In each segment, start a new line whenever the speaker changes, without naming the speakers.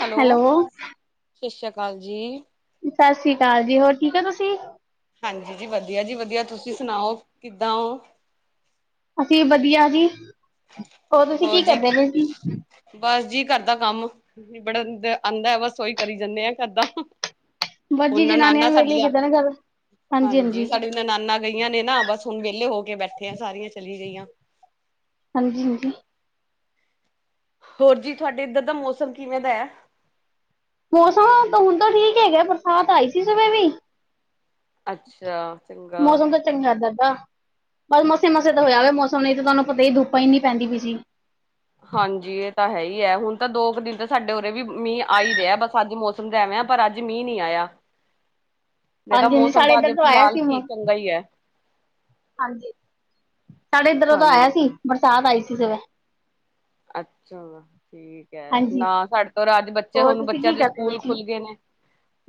Hello ਸਤਿ ਸ੍ਰੀਯਾਂ ਅਕਾਲ ਜੀ।
ਸਤਿ ਸ੍ਰੀ ਅਕਾਲ ਜੀ ਹੋਰ ਠੀਕ ਹੈ ਤੁਸੀਂ
ਹਾਂਜੀ ਜੀ ਵਧੀਆ ਜੀ ਵਧੀਆ ਤੁਸੀਂ ਸੁਣਾਓ ਕਿੱਦਾਂ ਹੋ।
ਅਸੀਂ ਵਧੀਆ ਜੀ ਹੋਰ ਤੁਸੀਂ
ਹੋਰ
ਕੀ
ਜੀ
ਕਰਦੇ ਪੇ ਸੀ।
ਬਸ ਜੀ ਘਰ ਦਾ ਕੰਮ ਬੜਾ ਆਉਂਦਾ ਬਸ ਉਹੀ ਕਰੀ ਜਾਂਦੇ ਆ ਘਰ ਦਾ
ਬਸ ਜੀ
ਉਹਨਾਂ
ਜਨਾਨੀਆਂ
ਨਣਾਨਾਂ
ਨੂੰ ਵੇਲੇ
ਸਾਡੀਆਂ
ਕਿੱਦਾਂ ਨਾ ਗੱਲ,
ਹਾਂਜੀ
ਹਾਂਜੀ-ਹਾਂਜੀ,
ਸਾਡੇ ਨਨਾਨਾਂ ਗਈਆਂ ਨੇ ਨਾ ਬਸ ਹੁਣ ਵਿਹਲੇ ਹੋ ਕੇ ਬੈਠੇ ਆ ਸਾਰੀਆਂ ਚਲੀ ਗਈਆਂ।
ਹਾਂਜੀ -ਹਾਂਜੀ
ਹੋਰ ਜੀ ਤੁਹਾਡੇ ਇੱਧਰ ਦਾ ਮੌਸਮ ਕਿਵੇਂ ਦਾ ਐ।
ਮੌਸਮ ਹੁਣ ਤਾਂ ਠੀਕ ਹੈਗਾ ਬਰਸਾਤ ਆਈ ਸੀ ਸਵੇਰੇ ਈ।
ਅੱਛਾ ਚੰਗਾ
ਮੌਸਮ ਤਾਂ ਚੰਗਾ ਕਰਦਾ ਦਾ ਬਸ ਮਸੇ -ਮਸੇ ਤਾਂ ਹੋਇਆ ਹੋ ਮੌਸਮ ਲਈ ਤੇ ਤੁਹਾਨੂੰ ਪਤਾ ਹੀ ਦੁਪਾ ਏਨੀ ਪੈਂਦੀ ਪਈ ਸੀ।
ਹਾਂਜੀ ਇਹ ਤਾਂ ਹੈ ਹੀ ਹੈ ਹੁਣ ਤਾਂ ਦੋ ਕੁ ਦਿਨ ਤਾਂ ਸਾਡੇ ਉਰੇ ਵੀ ਮੀਂਹ ਆ ਹੀ ਰਿਹਾ ਬਸ ਅੱਜ ਮੌਸਮ ਸਮ ਪਰ ਅੱਜ ਮੀਹ ਨੀ ਆਇਆ ਨਹੀਂ ਤਾਂ
ਹਾਂਜੀ -ਹਾਂਜੀ
ਮੌਸਮ
ਸਾਡੇ
ਤਾਂ ਅੱਜ
ਇੱਧਰ ਤੋਂ ਆਇਆ
ਫਿਲਹਾਲ
ਸੀ ਮ
ਠੀਕ ਚੰਗਾ ਹੀ ਹੈ
ਹਾਂਜੀ ਸਾਡੇ ਇੱਧਰੋਂ ਤਾਂ
ਹਾਂਜੀ
ਆਇਆ ਸੀ ਬਰਸਾਤ ਆਈ ਸੀ ਜਵੇ
ਅੱਛਾ ਠੀਕ ਹੈ
ਹਾਂਜੀ।
ਨਾ ਸਾਡੇ ਤੋਂ ਰਾਜ ਬੱਚੇ
ਹੋਰ
ਹੁਣ
ਤੁਸੀਂ
ਬੱਚਿਆਂ
ਕੀ
ਦੇ
ਕਰਦੇ ਪਏ
ਸਕੂਲ
ਸੀ?
ਖੁੱਲ ਗਏ ਨੇ।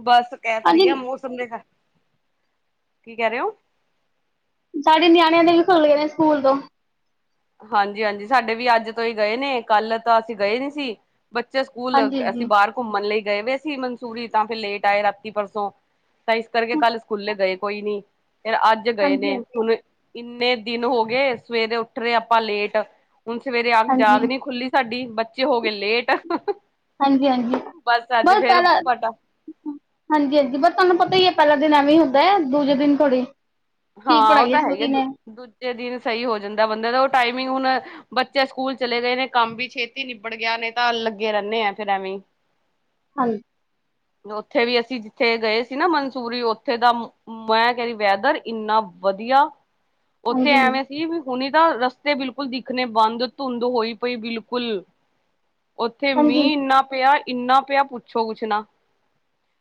ਬਸ ਕਹਿ ਤਾਂ
ਹਾਂਜੀ,
ਰਹੀ ਆ ਮੌਸਮ ਦੇ ਕੀ ਕਹਿ ਰਹੇ ਹੋ।
ਸਾਡੇ ਨਿਆਣਿਆਂ ਦੇ ਵੀ ਖੁੱਲ ਗਏ ਨੇ ਸਕੂਲ ਤੋਂ
ਹਾਂਜੀ -ਹਾਂਜੀ ਸਾਡੇ ਵੀ ਅੱਜ ਤੋਂ ਹੀ ਗਏ ਨੇ ਕੱਲ ਤਾਂ ਅਸੀਂ ਗਏ ਨੀ ਸੀ। ਬੱਚੇ ਸਕੂਲ ਅਸੀਂ
ਹਾਂਜੀ-ਹਾਂਜੀ।
ਬਾਹਰ ਘੁੰਮਣ ਲਈ ਗਏ ਵਏ ਅਸੀ ਮਨਸੂਰੀ ਤਾਂ ਫਿਰ ਲੇਟ ਆਏ ਰਾਤੀ ਪਰਸੋਂ ਤਾਂ ਇਸ ਕਰਕੇ ਕੱਲ ਸਕੂਲੇ ਗਏ ਕੋਈ ਨੀ ਫਿਰ ਅੱਜ ਗਏ ਨੇ
ਹਾਂਜੀ-ਹਾਂਜੀ,
ਹੁਣ ਇੰਨੇ ਦਿਨ ਹੋ ਗਏ ਸਵੇਰੇ ਉੱਠ ਰਹੇ ਆਪਾਂ ਲੇਟ ਹੁਣ ਸਵੇਰੇ ਅੱਖ
ਹਾਂਜੀ,
ਜਾਗ ਨੀ ਖੁੱਲੀ ਸਾਡੀ ਬੱਚੇ ਹੋ ਗਏ ਲੇਟ [inaudible]
ਹਾਂਜੀ -ਹਾਂਜੀ
ਅੱਜ
ਬਸ
ਫੇਰ
ਪਹਿਲਾਂ
ਫਟਾ
ਹਾਂਜੀ -ਹਾਂਜੀ ਬਸ ਤੁਹਾਨੂੰ ਪਤਾ ਹੀ ਹੈ ਪਹਿਲਾ ਦਿਨ ਐਵੇਂ ਹੁੰਦਾ ਦੂਜੇ ਦਿਨ ਥੋੜੇ
ਹਾਂ ਉਹ ਤਾਂ ਹੈ ਈ ਦੂਜੇ ਦਿਨ ਸਹੀ ਹੋ ਜਾਂਦਾ ਬੰਦੇ ਦਾ ਉਹ ਟਾਈਮਿੰਗ ਹੁਣ ਬੱਚੇ ਸਕੂਲ ਚਲੇ ਗਏ ਨੇ ਕੰਮ ਵੀ ਛੇਤੀ ਨਿਬੜ ਗਿਆ ਨੇ ਤਾਂ ਲੱਗੇ ਰਹਿੰਣੇ ਆ ਫੇਰ ਐਵੀ
ਹਾਂਜੀ
ਉੱਥੇ ਵੀ ਅਸੀਂ ਜਿੱਥੇ ਗਏ ਸੀ ਨਾ ਮਨਸੂਰੀ ਉੱਥੇ ਦਾ ਮੈਂ ਕਹਿੰਦੀ ਵੈਦਰ ਇੰਨਾ ਵਧੀਆ ਉੱਥੇ
ਹਾਂਜੀ,
ਐਵੇਂ ਵੀ ਹੁਣੀ ਤਾਂ ਰਸਤੇ ਬਿਲਕੁਲ ਦਿਖਣੇ ਬੰਦ ਧੁੰਦ ਹੋਈ ਪਈ ਬਿਲਕੁਲ ਉੱਥੇ ਮੀਂਹ
ਹਾਂਜੀ,
ਇੰਨਾ ਪਿਆ ਇੰਨਾ ਪਿਆ ਪੁੱਛੋ ਕੁਛ ਨਾ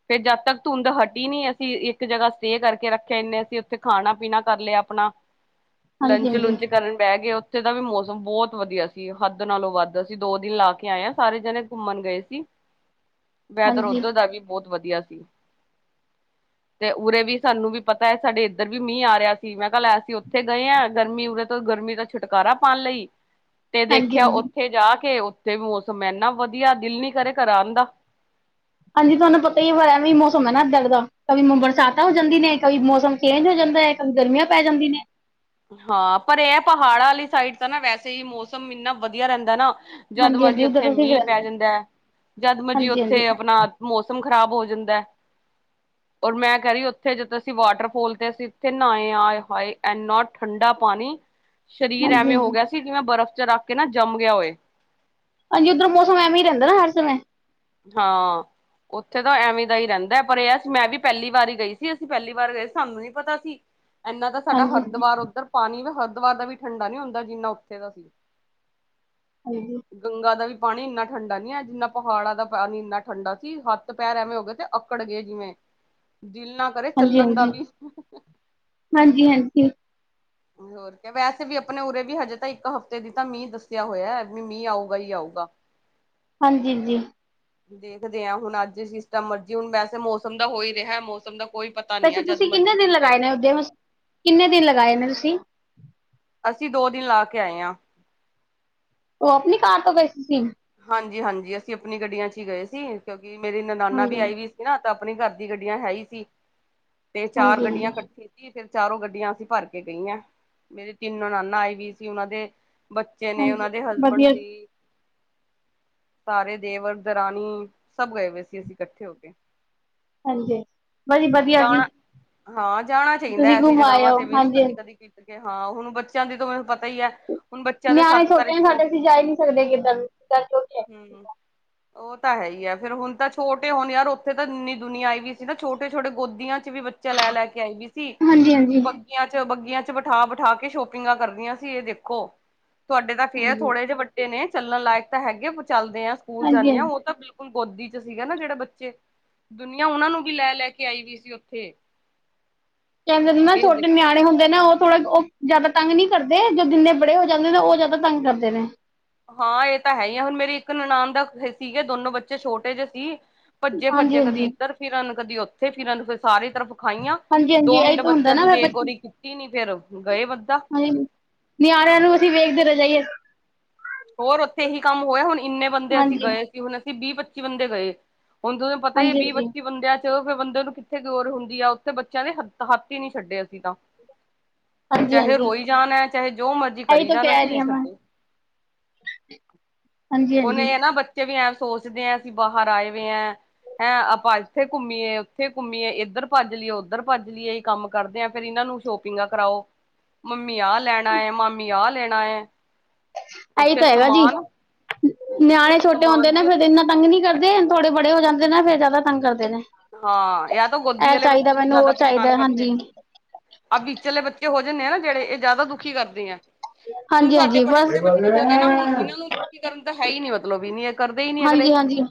ਫੇਰ ਜਦ ਤੱਕ ਧੁੰਦ ਹਟੀ ਨਹੀਂ ਅਸੀਂ ਇੱਕ ਜਗ੍ਹਾ ਸਟੇ ਕਰਕੇ ਰੱਖਿਆ ਏਨੇ ਅਸੀਂ ੇ ਖਾਣਾ ਪੀਣਾ ਕਰ ਲਿਆ ਆਪਣਾ ਲੰਚ
ਹਾਂਜੀ-ਹਾਂਜੀ, ਹਾਂਜੀ, ਹਾਂਜੀ-ਹਾਂਜੀ,
ਲੁਚ ਕਰਨ ਬਹਿ ਗਏ ਉੱਥੇ ਦਾ ਵੀ ਮੌਸਮ ਬਹੁਤ ਵਧੀਆ ਸੀ ਹੱਦ ਨਾਲੋਂ ਵੱਧ ਅਸੀਂ ਦੋ ਦਿਨ ਲਾ ਕੇ ਆਏ ਹਾਂ ਸਾਰੇ ਜਣੇ ਘੁੰਮਣ ਗਏ ਸੀ
[inaudible]
ਵੈਦਰ
ਹਾਂਜੀ
ਓਧਰ ਦਾ ਵੀ ਬਹੁਤ ਵਧੀਆ ਸੀ। ਤੇ ਉਰੇ ਵੀ ਸਾਨੂੰ ਵੀ ਪਤਾ ਹੈ ਸਾਡੇ ਇੱਧਰ ਵੀ ਮੀਂਹ ਆ ਰਿਹਾ ਸੀ ਮੈਂ ਕੱਲ ਅਸੀ ਉੱਥੇ ਗਏ ਆਂ ਗਰਮੀ ਉਰੇ ਤੋਂ ਗਰਮੀ ਦਾ ਛੁਟਕਾਰਾ ਪਾਉਣ ਲਈ
[unintelligible] [inaudible]
ਤੇ
ਹਾਂਜੀ
ਦੇਖਿਆ ਉੱਥੇ ਜਾ ਕੇ ਉੱਥੇ ਮੌਸਮ ਇਨਾ ਵਧੀਆ ਦਿਲ ਨੀ ਕਰੇ ਘਰ ਆਂਦਾ।
ਹਾਂਜੀ ਤੁਹਾਨੂੰ ਪਤਾ ਹੀ ਵਾਰ ਐ ਵੀ ਮੌਸਮ ਹੈ ਨਾ ਦਰ ਦਾ ਕ ਬਰਸਾਤ ਹੋ ਜਾਂਦੀ ਨੇ ਕਵ ਮੌਸਮ ਚੇਂਜ ਹੋ ਜਾਂਦਾ ਹੈ ਕ ਗਰਮੀਆਂ ਪੈ ਜਾਂਦੀਆਂ ਨੇ।
ਹਾਂ ਪਰ ਇਹ ਪਹਾੜਾਂ ਵਾਲੀ ਸਾਈਡ ਤਾਂ ਨਾ ਵੈਸੇ ਹੀ ਮੌਸਮ ਇੰਨਾ ਵਧੀਆ ਰਹਿੰਦਾ ਨਾ। ਜਦ ਮਰਜੀ
ਹਾਂਜੀ-ਹਾਂਜੀ
ਉੱਥੇ
ਉੱਧਰ ਠੀਕ
ਮੀਂਹ ਪੈ
ਰਹਿੰਦਾ
ਜਾਂਦਾ ਜਦ ਮਰਜੀ
ਹਾਂਜੀ-ਹਾਂਜੀ,
ਉੱਥੇ ਆਪਣਾ ਮੌਸਮ ਖ਼ਰਾਬ ਹੋ ਜਾਂਦਾ। ਔਰ ਮੈਂ ਕ ਰਹੀ ਉੱਥ ਜਦੋਂ ਅਸੀਂ ਵਾਟਰਫੋਲ ਤੇ ਅਸੀਂ ਉੱਥੇ ਨਏ ਆਏ ਹਏ ਐਡ ਨੋਟ ਠੰਡਾ ਪਾਣੀ ਸਰੀਰ
ਹਾਂਜੀ-ਹਾਂਜੀ, ਹਾਂਜੀ
ਐਵੇਂ ਹੋ
ਹਾਂਜੀ
ਗਿਆ ਸੀ ਜਿਵੇਂ ਬਰਫ਼ ਚ ਰੱਖ ਕੇ ਨਾ ਜੰਮ ਗਿਆ ਹੋਏ
ਹਾਂਜੀ ਉੱਧਰ ਮੌਸਮ ਐਵੇਂ ਹੀ ਰਹਿੰਦਾ ਹਰ ਸਮੇਂ
ਹਾਂ ਉੱਥੇ ਤਾਂ ਐਵੇਂ ਦਾ ਹੀ ਰਹਿੰਦਾ ਪਰ ਇਹ ਮੈਂ ਵੀ ਪਹਿਲੀ ਵਾਰ ਹੀ ਗਈ ਸੀ ਅਸੀਂ ਪਹਿਲੀ ਵਾਰ ਗਏ ਸਾਨੂੰ ਨਹੀਂ ਪਤਾ ਸੀ ਇੰਨਾ ਤਾਂ ਸਾਡਾ
ਹਾਂਜੀ-ਹਾਂਜੀ,
ਹਰਿਦੁਵਰ ਉੱਧਰ ਪਾਣੀ ਵੀ ਹਰਿਦੁਵਰ ਦਾ ਵੀ ਠੰਡਾ ਨੀ ਹੁੰਦਾ ਜਿੰਨਾ ਉੱਥੇ ਦਾ ਸੀ
ਹਾਂਜੀ
ਗੰਗਾ ਦਾ ਵੀ ਪਾਣੀ ਇੰਨਾ ਠੰਡਾ ਨੀ ਹੈ ਜਿੰਨਾ ਪਹਾੜਾਂ ਦਾ ਪਾਣੀ ਇੰਨਾ ਠੰਡਾ ਸੀ ਹੱਥ ਪੈਰ ਐਵੇਂ ਹੋ ਗਏ ਤੇ ਅਕੜ ਗਏ ਜਿਵੇਂ ਦਿਲ ਨਾਲ
ਹਾਂਜੀ ਹਾਂਜੀ ਹਾਂਜੀ ਹਾਂਜੀ
ਹੋਰ ਵੈਸੇ ਵੀ ਆਪਣੇ ਉਰੇ ਵੀ ਹਜੇ ਤਾਂ ਇੱਕ ਹਫ਼ਤੇ ਦੀ ਤਾਂ ਮੀਂਹ ਦੱਸਿਆ ਹੋਇਆ ਵੀ ਮੀਂਹ ਆਊਗਾ ਹੀ ਆਊਗਾ
ਹਾਂਜੀ ਹਾਂਜੀ
ਦੇਖਦੇ ਹਾਂ ਹੁਣ ਅੱਜ ਸਿਸਟਮ ਮਰਜੀੀ ਹੁਣ ਵੈਸੇ ਮੌਸਮ ਦਾ ਹੋ ਹੀ ਰਿਹਾ ਮੌਸਮ ਦਾ ਕੋਈ ਪਤਾ ਨੀ ਹੈ
ਵੈਸੇ
ਜਦ
ਤੁਸੀਂ ਕਿੰਨੇ
ਮਰਜੀ
ਦਿਨ
ਮੀਂਹ ਪੈ
ਲਗਾਏ ਨੇ ਉਓਦੇ ਕਿੰਨੇ ਦਿਨ ਲਗਾਏ ਨੇ ਤੁਸੀਂ
ਅਸੀਂ ਦੋ ਦਿਨ ਲਾ ਕੇ ਆਏ ਹਾਂ
ਉਹ ਆਪਣੀ ਕਾਰ ਤੋਂ ਬੈਸੀ ਸੀ
ਹਾਂਜੀ ਹਾਂਜੀ ਅਸੀਂ ਆਪਣੀ ਗੱਡੀਆਂ ਚ ਹੀ ਗਏ ਸੀ ਕਿਉਂਕਿ ਮੇਰੀ ਨਨਾਨਾ
ਹਾਂਜੀ
ਵੀ ਆਈ ਵੀ ਨਾ ਤਾਂ ਆਪਣੀ ਘਰ ਦੀ ਗੱਡੀਆਂ ਹੈ ਹੀ ਸੀ ਤੇ ਚਾਰ
ਹਾਂਜੀ
ਗੱਡੀਆਂ
ਹਾਂਜੀ
ਇਕੱਠੀ ਫਿਰ ਚਾਰੋਂ ਗੱਡੀਆਂ ਅਸੀਂ ਭਰ ਕੇ ਗਈਆਂ ਮੇਰੇ ਤਿੰਨ ਨ ਨਾਨਾ ਆਏ ਵੀ ਸੀ ਉਹਨਾਂ ਦੇ ਬੱਚੇ ਨੇ
ਹਾਂਜੀ
ਉਹਨਾਂ ਦੇ ਹਸਬੈਂਡ
ਵਧੀਆ
ਸੀ ਤਾਰੇ ਦੇਵਰ ਦਰਾਨ ਸਭ ਗਏ ਹੋਏ ਸੀ ਅਸੀਂ ਇਕੱਠੇ ਹੋ ਕੇ
ਹਾਂਜੀ ਵ ਜੀ ਵਧੀਆ ਜੀ
ਜਾਣਾ ਹਾਂ ਜਾਣਾ ਚਾਹੀਦਾ
ਤੁਸੀਂ
ਐਸੀ
ਘੁੰਮ ਆਏ
ਜਗਾਵਾਂ
ਹੋ
ਤੇ ਵੀ ਨਾ
ਹਾਂਜੀ
ਕਦੀ ਕਦੀ ਹਾਂ ਹੁਣ ਬੱਚਿਆਂ ਦੀ ਤਾਂ ਮੈਨੂੰ ਪਤਾ ਹੀ ਹੈ ਹੁਣ ਬੱਚਿਆਂ ਦੇ
ਨਿਆਣੇ
ਸੱਤ
ਛੋਟੇ
ਤਾਰੀਖ
ਨੇ
ਤੋਂ
ਸਾਡੇ ਅਸੀਂ ਜਾ ਹੀ ਨੀ ਸਕਦੇ ਕਿੱਦਾਂ ਨੂੰ
ਹਮ ਉਹ ਤਾਂ ਹੈ ਹੀ ਆ ਫ਼ਿਰ ਹੁਣ ਤਾਂ ਛੋਟੇ ਹੁਣ ਯਾਰ ਉੱਥੇ ਤਾਂ ਇੰਨੀ ਦੁਨੀਆਂ ਆਈ ਵੀ ਸੀ ਨਾ ਛੋਟੇ ਛੋਟੇ ਗੋਦੀਆਂ ਚ ਵੀ ਚਲਾੈ ਲੈ ਕੇ ਆਈ ਵੀ ਸੀ
ਹਾਂਜੀ ਹਾਂਜੀ
ੀਆਂ ਚ ਬੱਗੀਆਂ ਚ ਬਿਠਾ ਬਿਠਾ ਕੇ ਸ਼ੋਪਿੰਗਾਂ ਕਰਦੀਆਂ ਸੀ ਇਹ ਦੇਖੋ ਤੁਹਾਡੇ ਤਾਂ ਫੇਅਰ
ਹਾਂਜੀ
ਥੋੜੇ ਜਿਹੇ ਵੱਡੇ ਨੇ ਚੱਲਣ ਲਾਇਕ ਤਾਂ ਹੈਗੇ ਚੱਲਦੇ ਆਾਂ ਸਕੂਲ
ਹਾਂਜੀ
ਜਾਂਦੇ ਹਾਂ
ਹਾਂਜੀ
ਉਹ ਤਾਂ ਬਿਲੁ ਬਿਲਕੁਲ ਗੋਦੀ ਚ ਸੀਗਾ ਨਾ ਜਿਹੜੇ ਬੱਚੇ ਦੁਨੀਆਂ ਉਹਨਾਂ ਨੂੰ ਵੀ ਲੈ ਲੈ ਕੇ ਆਈ ਵੀਈ ਸੀ ਉੱਥੇ
ਕਹਿੰਦੇ
ਇਹ
ਛੋਟੇ
ਦੇਖੋ
ਨਿਆਣੇ ਹੁੰਦੇ। ਨਾ ਉਹ ਥੋੜਾ ਉਹ ਜ਼ਿਆਦਾ ਤੰਗ ਨਹੀਂੀ ਕਰਦੇ ਜੋ ਦਿਿੰਨਦੇ ਬੜੇ ਹੋ ਜਾਂਦੇ ਨੇ ਉਹ ਜ਼ਿਆਦਾ ਤੰਗ ਕਰਦੇ ਨੇ।
ਹਾਂ, ਇਹ ਤਾਂ ਹੈ ਹੀ ਆ ਹੁਣ ਮੇਰੇ ਇੱਕ ਨਨਾਾਨ ਦਾ ਸੀਗੇ ਦੋਨੋ ਬੱਚੇ ਛੋਟੇ ਜਿਹੇ ਸੀ। ਭੱਜੇ
ਹਾਂਜੀ
ਭੱਜੇ ਕਦੀ
ਹਾਂਜੀ
ਇੱਧਰ ਫਿਰਨ ਕਦੀ ਉੱਥੇ ਫਿਰਰਨ ਫਿਰ ਸਾਰੀ ਤਰਫ। ਖਾਈਆਂ
ਹਾਂਜੀ ਹਾਂਜੀ
ਦੋ ਮਿੰਟ
ਇਹੀ ਤਾਂ ਹੁੰਦਾ
ਬੱਚਿਆਂ
ਨਾ
ਦੀ
ਫਿਰ
ਬੇਗੋਰੀ ਕੀਤੀ ਨੀ ਫੇਰ ਗਏ ਵੱਧਾ।
ਨਿਆਰਿਆਂ ਨੂੰ ਅਸੀਂ ਵੇਖਦੇ ਰਹਿ ਜਾਈਏ
ਹੋਰ ਉੱਥੇ ਇਹੀ ਕੰਮ ਹੋਇਆ ਹੁਣ ਇੰਨੇ ਬੰਦੇ ਅਸੀਂ
ਹਾਂਜੀ
ਗਏ ਸੀ ਹੁਣ ਅਸੀਂ ਵੀਹ ਪੱਚੀ ਬੰਦੇ ਗਏ। ਹੁਣ ਤੁਹਨੂੰ ਪਤਾ ਹੀ ਹੈ
ਹਾਂਜੀ
ਵੀਹ
ਹਾਂਜੀ
ਪੱਚੀ ਬੰਦਿਆਂ। ਉਹ ਬੰਦੇ ਨੂੰ ਕਿੱਥੇ ਗੋਰ ਹੁੰਦੀ ਆ ਉੱਥੇ ਬੱਚਿਆਂ ਦੇ ਹ ਹੱਥ ਹੀ ਨਹੀਂ ਛੱਡੇ ਅਸੀਂ ਤਾਂ
ਹਾਂਜੀ
ਚਾਹੇ
ਹਾਂਜੀ
ਰੋਈ ਜਾਣ ਹੈ ਚਾਹੇ ਜੋ ਮਰਜੀੀ
ਇਹੀ
ਕਰੀ
ਤਾਂ
ਜਾਣ
ਕਹਿ
ਅਸੀਂ
ਰਹੀ
ਨ
ਹਾਂ ਮੈਂ
ਛੱਡੇ
ਹਾਂਜੀ
ਹੁਣ
ਹਾਂਜੀ
ਇਹ ਨਾ ਬੱਚੇ ਵੀ ਐਂ ਸੋਚਦੇ ਆ ਅਸੀਂ ਬਾਹਰ ਆਏ ਹੈਂ ਆਪਾਂ ਇੱਥੇ ਘੁੰਮੀਏ ਉੱਥੇ ਘੁੰਮੀਏ ਇੱਧਰ ਭੱਜ ਲਈਏ ਉੱਧਰ ਭੱਜ ਲਈਏ ਇਹ ਕੰਮ ਕਰਦੇ ਹਾਂ ਫੇਰ ਇਹਨਾਂ ਨੂੰ ਸ਼ੋਪ ਕਰਾਓ ਮੰਮੀ ਆਹ ਲੈਣਾ ਮਾਮੀ ਆਹ ਲੈਣਾ
ਇਹੀ
ਉੱਥੇ
ਤਾਂ ਹੈਗਾ ਜੀ
ਸਮਾਨ
ਨਿਆਣੇ ਛੋਟੇ ਹੁੰਦੇ
ਸਮਾਨ
ਨੇ
ਵੀ
ਫੇਿਰ ਇਹਨਾਂ ਤੰਗ ਨੀ ਕਰਦੇ ਥੋੜੇ ਬੜੇ ਹੋ ਜਾਂਦੇ ਨੇ ਫ਼ਿਰ ਜ਼ਿਆਦਾੰਗ ਕਰਦੇ ਨੇ
ਹਾਂ, ਜਾ ਤਾਂ ਗੋਦੀ
ਇਹ
ਵਾਲੇ
ਚਾਹੀਦਾ
ਬੱਚੇ ਨ
ਮੈਨੂੰ ਉਹ
ਜ਼ਿਆਦਾ ਪਰੇਸ਼ਾਨ
ਚਾਹੀਦਾ
ਕਰਦੇ।
ਹਾਂਜੀ
ਆ ਵਿਚਲੇ ਬੱਚੇ ਹੋ ਜਾਂਦੇ ਆ ਨਾ ਜਿਹੜੇ ਇਹ ਜ਼ਿਆਦਾ ਦੁਖੀ ਕਰਦੇ ਆ। ਹੁਣ
ਹਾਂਜੀ
ਸਾਡੇ
ਹਾਂਜੀ
ਬੜੇ
ਬਸ
ਬੜੇ ਬੱਚੇ ਹੋ ਗਏ ਨਾ ਹੁਣ ਇਹਨਾਂ ਨੂੰ ਕਰਨ ਤਾਂ ਹੈ ਹੀ ਨੀ ਮਤਲਬ ਵੀ ਨ ਕਰਦੇ ਹੀ ਨੀ ਅਗਲੇ
ਹਾਂਜੀ ਹਾਂਜੀ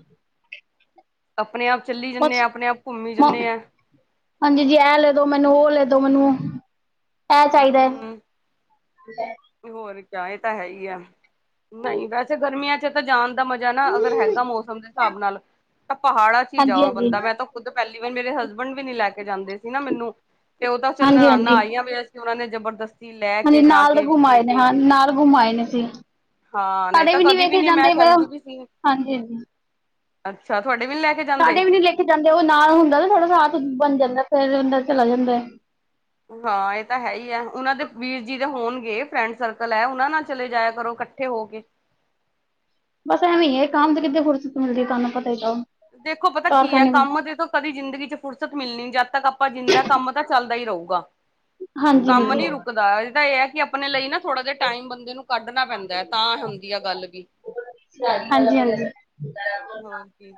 ਆਪਣੇ ਆਪ ਚੱਲੀ ਜਾਂਦੇ
ਬਸ
ਹਾਂ ਆਪਣੇ ਆਪ ਘੁੰਮੀ ਜਾਂਦੇ ਹਾਂ।
ਹਾਂਜੀ ਜੀ, ਇਹ ਲੈ ਦੋ ਮੈਨੂੰ ਉਹ ਲੈ ਦੋ ਮੈਨੂੰ। ਚਾਹੀਦਾ ਹੈ
ਹੂੰ ਹੋਰ ਕਿਆ ਇਹ ਤਾਂ ਹੈ ਹੀ ਆ। ਨਹੀਂ ਵੈਸੇ ਗਰਮੀਆਂ ਚ ਤਾਂ ਜਾਣ ਦਾ ਮਜ਼ਾ ਨਾ ਅਗਰ ਹੈਗਾ ਮੌਸਮ ਦੇ ਹਿਸਾਬ ਨਾਲ ਤਾਂ ਪਹਾੜਾਂ। ਹੀ
ਹਾਂਜੀ
ਜਾਓ
ਹਾਂਜੀ
ਬੰਦਾ ਮੈਂ ਤਾਂ ਖੁੱਦ ਪਹਿਲੀ ਵਾਰ ਮੇਰੇ ਹਸਬੈਂਡ ਵੀ ਨੀ ਲੈ ਕੇ ਜਾਂਦੇ ਸੀ ਨਾ ਮੈਨੂੰ ਤੇ ਉਹ ਤਾਂ ਚੱਲ
ਹਾਂਜੀ
ਨਨਾਨਾ
ਹਾਂਜੀ
ਆਈਆਂ ਪ ਸੀ ਉਹਨਾ ਨੇ ਜਬਰਦਸਤੀ ਲੈ
ਹਾਂਜੀ
ਕੇ ਜਾ
ਨਾਲ ਦੇ
ਕੇ
ਘੁਮ
ਲੈ
ਆਏ ਨੇ
ਗਏ।
ਹਾਂ ਨਾਲ ਗੁਮ ਆਏ ਨੇ [unintelligible]
ਹਾਂ ਨਹੀਂ
ਸਾੜੇ
ਤਾਂ
ਵੀ ਨੀ
ਕਦੀ
ਵੇਖੇ
ਮੈਂ
ਜਾਂਦੇ
ਕਹਿੰਦੀ ਵੀ ਸੀ
ਹਾਂਜੀ ਹਾਂਜੀ।
ਅੱਛਾ ਤੁਹਾਡੇ ਵੀ ਲੈ ਕੇ ਜਾਂਦੇ।
ਸਾਡੇ ਵੀ ਨੀ ਲਿਖ ਕੇ ਜਾਂਦੇ ਉਹ ਨਾ ਹੁੰਦਾ ਨਾ ਥੋੜਾ ਸਾਥ ਬਣ ਜਾਂਦਾ ਫੇਿਰਦਾ ਚਲਾ ਜਾਂਦਾ।
ਹਾਂ ਇਹ ਤਾਂ ਹੈ ਹੀ ਹੈ ਉਹਨਾਂ ਦੇ ਵੀਰ ਜੀ ਦੇ ਹੋਣਗੇ ਫਰੈਂਡ ਸਰਕਲ ਹੈ ਉਹਨਾਂ ਨਾਲ ਚਲੇ ਜਾਇਆ ਕਰੋ ਇੱਕ ਇਕੱਠੇ ਹੋ ਗਏ
ਬਸ ਐਵੇਂ ਹੈ ਕੰਮ ਤੇ ਕਿੱਦੇ ਫੁਰਸਤ ਮਿਲਦੀ ਹੈ ਤੁਹਾਨੂੰਤਾ ਹੀ ਚ
ਦੇਖੋ ਪਤਾ ਕੀ ਹੈ ਕੰਮ ਦੇ ਤੋਂ ਕਦੀ ਜ਼ਿੰਦਗੀ ਚ ਫੁਰਸਤ ਮਿਲਣੀ ਜਦ ਤੱਕ ਆਪਾਂ ਜਿੰਦਾ ਕੰਮ ਤਾਂ ਚੱਲਦਾ ਹੀ ਰਹੇਗਾ।
ਹਾਂਜੀ
ਕੰਮ
ਹਾਂਜੀ
ਨੀ ਰੁਕਦਾ ਇਹ ਤਾਂ ਇਹ ਹੈ ਕਿ ਆਪਣੇ ਲਈ ਨਾ ਥੋੜ੍ਹਾ ਜਿਹਾ ਟਾਈਮ ਬੰਦੇ ਨੂੰ ਕੱਢਣਾ ਪੈਂਦਾ। ਤਾਂ ਹੁੰਦੀ ਆ ਗੱਲ ਵੀ
ਹਾਂਜੀ ਹਾਂਜੀ
ਹੋਰ ਕੀ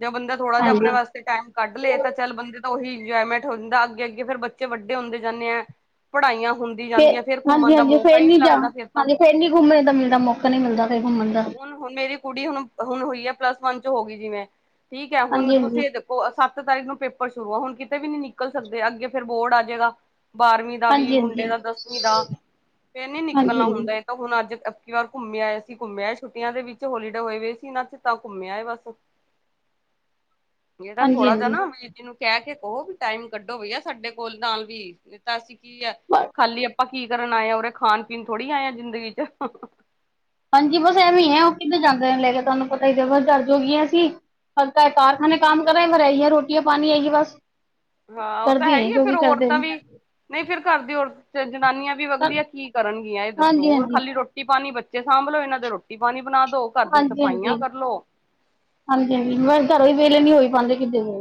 ਜਾਂ ਬੰਦਾ ਥੋੜਾ ਜਿਹਾ ਆਪਣੇ ਵਾਸਤੇ। ਟਾਇਮ ਕੱਢ ਲਏ ਤਾਂ ਚੱਲ ਬੰਦੇ ਤਾਂ ਉਹੀ ਇੰਜੋਏਮੈਂਟ ਹੋ ਜਾਂਦਾ ਅੱਗੇ ਅੱਗੇ ਫੇਰ ਬੱਚੇ ਵੱਡੇ ਹੁੰਦੇ ਜਾਂਦੇ ਆ। ਪੜ੍ਹਾਈਆਂ ਹੁੰਦੀਆਂ।
ਫ ਹਾਂਜੀ ਹਾਂਜੀ ਫੇਰ ਨੀ ਜਾ ਹਾਂਜੀ ਫੇਰ ਨੀ ਘੁੰਮਣ ਦਾ ਮਿਲਦਾ ਮੌਕਾ ਨੀ ਮਿਲਦਾ ਕੋ ਘੁੰਮਣ ਦਾ।
ਹੁਣ ਹੁਣ ਮੇਰੀ ਕੁੜੀ ਹੁਣ ਹੁਣ ਹੋਈ ਹੈ ਪਲੱਸ ਵਨ ਚ ਹੋ ਗਈ ਜਿਵੇਂ ਠੀਕ ਹੈ ਹੁਣ
ਹਾਂਜੀ ਹਾਂਜੀ
ਤੁਸੀਂ। ਸੱਤ ਤਾਰੀਕ ਨੂੰ ਪੇਪਰ ਸ਼ੁਰੂ ਆ ਹੁਣ ਕਿਤੇ ਵੀ ਨੀ ਨਿਕਲ ਸਕਦੇ ਅੱਗੇ ਫਿਰ ਬੋਰਡ ਆ ਜਾਏਗਾ ਬਾਰਵੀਂ ਦਾ ਵੀ
ਹਾਂਜੀ ਹਾਂਜੀ
ਮੁੰਡੇ
ਹਾਂਜੀ
ਦਾ ਦਸਵੀਂ ਦਾ ਫਿਰ ਨੀ
ਹਾਂਜੀ
ਨਿਕਲਣਾ ਹੁੰਦਾ। ਹੁਣ ਅੱਜ ਇੱਕੀ ਵਾਰ ਘੁੰਮਿਆ ਆਆ ਸੀ ਘੁੰਮਿਆ ਆਏ ਛੁੱਟੀਆਂ ਦੇ ਵਿੱਚ ਹੋਲੀਡੇ ਹੋਏ ਹੋਏ ਸੀ ਇਹਨਾਂ ਚ ਤਾਂ ਘੁੰਮਿਆਏ ਬਸ ਇਹ ਤਾਂ ਥੋੜਾ ਜਾ
ਹਾਂਜੀ
ਨਾ ਬਿਜਲੀ ਨੂੰ ਕਹਿ ਕੇ ਕਹੋ ਵੀ ਟਾਈਮ ਕੱਢੋ ਵੀ ਆ ਸਾਡੇ ਕੋਲ ਨਾਲ ਵੀ। ਨਹੀਂ ਤਾਂ ਅਸੀਂ ਕੀ ਹੈ
ਹਾਂਜੀ
ਖਾਲੀ ਆਪਾਂ ਕੀ ਕਰਨ ਆਏ ਹਾਂ ਉਰੇ ਖਾਣ ਪੀਣ ਥੋੜ੍ਹੀ ਆਏ ਹਾਂ ਜ਼ਿੰਦਗੀ ਚ
ਹਾਂਜੀ ਬਸ ਐਵੇਂ ਹੈ ਉਹ ਕਿੱਦਾਂ ਜਾਂਦੇ ਨੇ ਲੈ ਕੇ ਤੁਹਾਨੂੰ ਪਤਾ ਹੀ [unintelligible] ਬਸ ਜਜ ਹੋ ਗਈਆਂਸੀਂ ਹਲਕਾ ਕਾਰਖਾਨੇ ਕੰਮ ਕਰ ਰਹੇ ਮੇ ਇਹੀ ਹੈ ਰੋਟੀਆਂ ਹੈ ਪਾਣੀ ਆਹੀ ਬਸ
ਹਾਂ ਉਹ ਤਾਂ ਹੈ ਹੀ ਆ ਫੇਰ ਔਰਤਾਂ ਵੀ ਨਹੀਂ ਫਿਰ ਘਰ ਦੀ ਔਰ ਜਨਾਨੀਆਂ ਵੀ ਅਗਲੀਆਂ ਕੀ ਕਰਨਗੀਆਂ ਇਹ ਦੱਸੋ
ਹਾਂਜੀ
ਹੋਰ
ਹਾਂਜੀ
ਖਾਲੀ ਰੋਟੀ ਰੋਟੀ ਪਾਣੀ ਬੱਚੇ ਸਾਂਭ ਲੋ ਇਹਨਾਂ ਦੇ ਰੋਟੀ ਪਾਣੀ ਬਣਾ ਦੋ ਘਰ ਦੀ
ਹਾਂਜੀ ਹਾਂਜੀ
ਸਫਾਈਆਂ ਕਰਲੋ
ਹਾਂਜੀ ਹਾਂਜੀ ਬਸ ਘਰੋ ਹੀ ਵਹਲੇ ਨੀ ਹੋਈ ਪਾਉਂਦੇ ਕਿ ਵੇਲੇ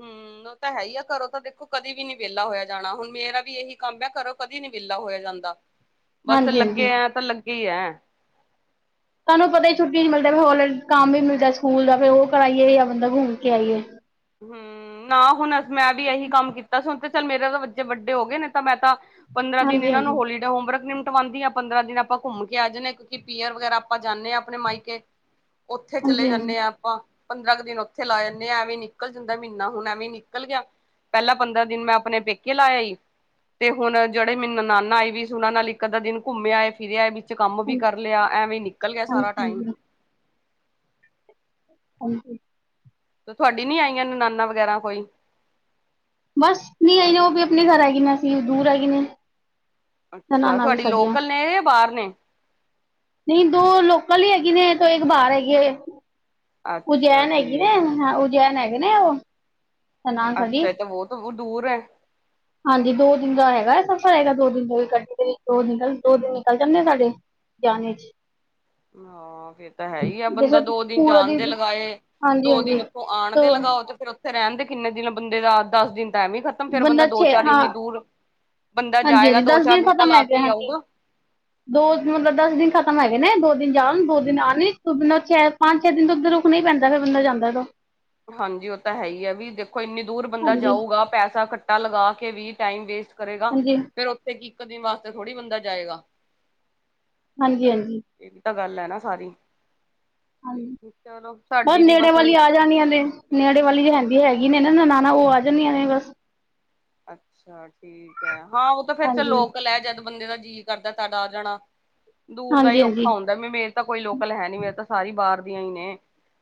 ਹਮ ਤਾਂ ਹੈ ਹੀ ਆ ਘਰੋਂ ਤਾਂ ਦੇਖੋ ਕਦੇ ਵੀ ਨੀ ਵਿਹਲਾ ਹੋਇਆ ਜਾਣਾ ਹੁਣ ਮੇਰਾ ਵੀ ਇਹੀ ਕੰਮ ਹੈ। ਘਰੋ ਕਦੇ ਨੀ ਵਿਹਲਾ ਹੋਇਆ ਜਾਂਦਾ।
ਹ [unintelligible] [inaudible]
ਬਸ ਲੱਗੇ ਆ ਤਾਂ ਲੱਗੇ ਹੀ ਹੈ
ਤੁਹਾਨੂੰ ਪਤਾ ਹੀ ਛੁੱਟੀ ਨ ਨਹੀਂ ਮਿਲਦਾ ਫਿਰ ਹੋਲੇ ਕੰਮ ਵੀ ਮਿਲਦਾ ਸਕੂਲ ਦਾ ਫਿਰ ਉਹ ਕਰਾਈਏ ਜਾਂ ਬੰਦਾ ਘੁੰਮ ਕੇ ਆਈਏ
ਹਮ ਨਾ ਹੁਣ ਮੈਂ ਵੀ ਇਹੀ ਕੰਮ ਕੀਤਾ ਸੀ ਹੁਣ ਤੇ ਚੱਲ ਮੇਰੇ ਤਾਂ ਬੱਚੇ ਵੱਡੇ ਹੋ ਗਏ ਨੇ ਤਾਂ ਮੈਂ ਤਾਂ ਪੰਦਰਾਂ ਦਿਨ
ਹਾਂਜੀ
ਇਹਨਾਂ ਨੂੰ
ਹਾਂਜੀ
ਹੋਲੀ ਹੋਮਵਰਕ ਨਿਮਟਵਾਉਂਦੀ ਹ ਪੰਦਰਾਂ ਦਿਨ ਆਪਾਂ ਘੁੰਮ ਕੇ ਆ ਜਾਂਦੇ ਹ ਕਿਉਂਕਿ ਪੀਅਰ ਵਗੈਰਾ ਆਪਾਂ ਜਾਂਦੇ ਹ ਆਪਣੇ ਮਾਈਕੇ
[unintelligible] [inaudible]
ਉੱਥੇ ਚਲੇ
ਹਾਂਜੀ ਹਾਂਜੀ
ਜਾਂਦੇ ਹਾਂ ਆਪਾਂ ਪੰਦਰਾਂ ਕੁ ਦਿਨ ਉੱਥੇ ਲਾ ਜਾਂਦੇ ਆ ਐ ਵੀਂ ਨੀ। ਨਿਕਲ ਜਾਂਦਾ ਮਹੀਨਾ ਹੁਨ ਐਵੇਂ ਨਿਕਲ ਗਿਆ, ਪਹਿਲਾਂ ਪੰਦਰਾਂ ਦਿਨ ਮੈਂ ਆਪਨੇ ਪੇਕੇ ਲਾ ਆਈ। ਤੇ ਹੁਨ ਜੇੜੇ ਮੇਰੀ ਨਨਾਨਾ ਆਏ ਵੀ ਸੀ ਉਹਨਾਂ ਨਾਲ ਇੱਕ ਅੱਧਾ ਦਿਨ ਘੁੰਮੇ ਆਏ, ਫਿਰ ਆਏ ਵੀ। ਵਿੱਚ ਕੰਮ ਵੀ ਕਰ ਲਿਆ, ਐਵੇਂ ਨਿਕਲ ਗਿਆ ਸਾਰਾ
ਹਾਂਜੀ
ਟਾਈਮ।
ਹਾਂਜੀ ਹਾਂਜੀ।
ਤੁਹਾਡੀ ਨੀ ਆਈਆਂ ਨਨਾਨਾ ਵਗੈਰਾ ਕੋਈ?
ਬਸ ਨਹੀਂ ਆਈਆਂ ਓ ਵੀ ਆਪਨੇ ਘਰ ਹੈਗੀ ਨੇ, ਅਸੀਂ ਦੂਰ ਹੈਗੀ ਨੇ।
ਅੱਛਾ
ਨਨਾਣਾ ਵੀ
ਤੁਹਾਡੀ
ਸਾਡੀਆਂ
ਲੋਕਲ ਨੇ ਜਾਂ ਬਾਰ ਨੇ?
ਨਹੀਂ ਦੋ ਲੋਕਲ ਈ ਹੈਗੀ ਨੇ ਤੇ ਇੱਕ ਬਾਰ ਹੈਗੀ ਏ।
ਅੱਛਾ
ਉਜੈਨ ਹੈਗੀ
ਠੀਕ
ਨੇ,
ਹੈ
ਉਜੈਨ ਹੈਗੀ ਨੇ ਓ।
ਅੱਛਾ ਐ ਤੇ ਬੋਤ ਦੂਰ ਐ।
ਹਾਂਜੀ ਦੋ ਦਿਨ ਦਾ ਹੈਗਾ ਸਫ਼ਰ, ਹੈਗਾ ਦੋ ਦਿਨ ਦਾ ਗੱਡੀ ਦੇ ਦੋ ਨਲ ਦੋ ਦਿਨ ਨਿਕਲ ਜਾਂਦੇ ਸਾਡੇ। ਜਾਨ ਚ।
ਹਾਂ ਫੇਰ ਤਾਂ ਹੈ ਈ ਐ,
ਜੈਸੇ
ਬੰਦਾ ਦੋ ਦਿਨ
ਪੂਰਾ
ਜਾਨ ਦੇ ਲਗਾਏ।
ਹਾਂਜੀ
ਦੋ
ਹਾਂਜੀ।
ਦਿਨ ਉੱਥੋਂ ਆਣ
ਤੋ
ਦੇ ਲਗਾਓ ਤੇ ਫਿਰ ਫੇਰ ਰਹਿਣ ਦੇ ਕਿੰਨੇ ਦਿਨ ਬੰਦੇ ਦਾ? ਦਸ ਦਿਨ ਤਾਂ ਐਵੇ ਹੀ ਖਤਮ ਫੇਰ ਬੰਦਾ ਦੋ
ਛੇ
ਚਾਰ
ਹਾਂ
ਇੰਨੀ ਦੂਰ ਬੰਦਾ
ਹਾਂਜੀ
ਜਾਏਗਾ
ਹਾਂਜੀ
ਦੋ
ਦਸ
ਚਾਰ ਦਿਨ ਤਾਂ
ਖਤਮ
ਲਾ
ਹੈਗੇ
ਕੇ ਈ
ਹਾਂਜੀ।
ਆਊਗਾ।
ਦੋ ਮਤਲਬ ਦਸ ਦਿਨ ਖ਼ਤਮ ਹੈਗੇ ਨੇ, ਦੋ ਦਿਨ ਜਾਣ ਦੋ ਦਿਨ ਆਨ ਚ [unintelligible] ਪੰਜ ਛੇ ਦਿਨ ਤੋਂ ਉੱਧਰ ਰੁਕਨਾਂ ਪੈਂਦਾ ਫਿਰ ਬੰਦਾ ਜਾਂਦਾ ਤਾਂ।
ਹਾਂਜੀ ਉਹ ਤਾਂ ਹੈ ਹੀ ਐ, ਵੀ ਦੇਖੋ ਇੰਨੀ ਦੂਰ ਬੰਦਾ
ਹਾਂਜੀ
ਜਾਊਗਾ ਪੈਸਾ ਕੱਟਾ ਲਗਾ ਕੇ ਵੀ ਟਾਈਮ ਵੇਸਟ ਕਰੇਗਾ
ਹਾਂਜੀ
ਫੇਰ ਉੱਥੇ ਕੀ ਇੱਕ ਦਿਨ ਵਾਸਤੇ ਥੋੜ੍ਹੀ ਬੰਦਾ ਜਾਏਗਾ।
ਹਾਂਜੀ-ਹਾਂਜੀ।
ਏ ਵੀ ਤਾਂ ਗੱਲ ਐ ਨਾ ਸਾਰੀ।
ਹਾਂਜੀ
ਚਲੋ
ਬਸ
ਸਾਡੀ ਵੀ
ਨੇੜੇ ਵਾਲੀ ਆ ਜਾਣੀਆ ਨੇ। ਨੇੜੇ ਵਾਲੀ ਰਹਿੰਦੀ ਹੈਗੀ ਨੇ ਨਾ ਨਨਾਣਾ ਓ ਆ ਜਾਂਦੀਆਂ ਨੇ ਬਸ।
ਅੱਛਾ ਠੀਕ ਹੈ, ਹਾਂ ਉਹ ਤਾਂ ਫੇਰ ਚ
ਹਾਂਜੀ
ਲੋਕਲ ਹੈ ਜਦ ਬੰਦੇ ਦਾ ਜੀ ਕਰਦਾ ਤਦ ਆ ਜਾਣਾ, ਦੂਰ ਦਾ ਹੀ
ਹਾਂਜੀ ਹਾਂਜੀ
ਔਖਾ ਹੁੰਦਾ। ਵੀ ਮੇਰੇ ਤਾਂ ਕੋਈ ਲੋਕਲ ਹੈ ਨੀ, ਮੇਰੇ ਤਾਂ ਸਾਰੀ ਬਾਹਰ ਦੀਆਂ ਹੀ ਨੇ,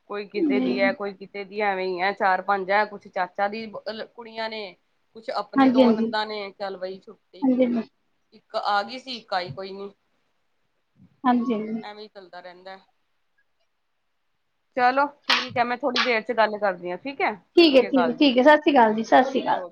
ਕੋਈ ਕਿਤੇ
ਹਾਂਜੀ
ਦੀ ਐ ਕੋਈ ਦੀ ਐਵੇਂ ਈ ਐ, ਚਾਰ ਪੰਜ ਐ, ਕੁਛ ਚਾਚਾ ਦੀਆਂ ਕੁੜੀਆਂ ਨੇ। ਕੁਛ ਆਪਣੀ
ਹਾਂਜੀ
ਦੋ ਨੰਦਾਂ
ਹਾਂਜੀ
ਨੇ ਚਲ ਵਾਈ ਛੁੱਟੀ।
ਹਾਂਜੀ
ਇੱਕ ਆ ਗਈ ਸੀ, ਇੱਕ ਆਈ ਕੋਈ ਨੀ।
ਹਾਂਜੀ [unintelligible]
ਐਵੇਂ ਹੀ ਚੱਲਦਾ ਰਹਿੰਦਾ ਐ। ਚਲੋ ਠੀਕ ਐ, ਮੈਂ ਥੋੜ੍ਹੀ ਦੇਰ ਚ ਗੱਲ ਕਰਦੀ ਆਂ ਠੀਕ ਐ।
ਠੀਕ ਐ, ਠੀਕ ਐ, ਠੀਕ ਐ, ਸਤਿ ਸ਼੍ਰੀ ਅਕਾਲ ਜੀ, ਸਤਿ ਸ਼੍ਰੀ ਅਕਾਲ।
ਓਕੇ।